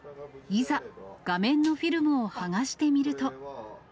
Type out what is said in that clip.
いざ、画面のフィルムを剥がしてみると。